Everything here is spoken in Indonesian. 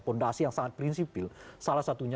fondasi yang sangat prinsipil salah satunya